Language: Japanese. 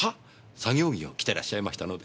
作業着を着てらっしゃいましたので。